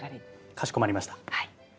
かしこまりました。